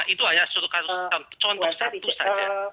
itu hanya contoh satu saja